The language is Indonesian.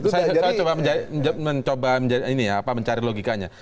saya coba mencari logikanya